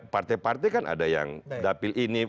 partai partai kan ada yang dapil ini